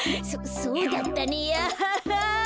そそうだったねアハハ。